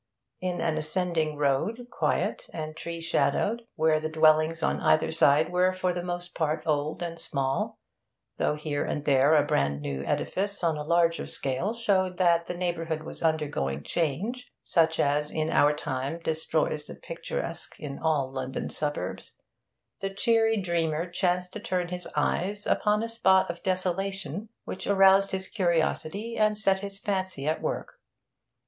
In an ascending road, quiet and tree shadowed, where the dwellings on either side were for the most part old and small, though here and there a brand new edifice on a larger scale showed that the neighbourhood was undergoing change such as in our time destroys the picturesque in all London suburbs, the cheery dreamer chanced to turn his eyes upon a spot of desolation which aroused his curiosity and set his fancy at work.